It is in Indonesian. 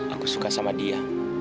aku suka sama dia